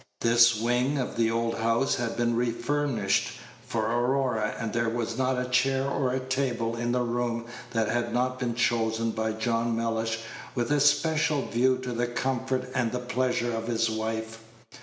This wing of the old house had been refurnished for Aurora, and there was not a chair or a table in the room that had not been chosen by John Mellish with a special view to the comfort and the pleasure of his wife.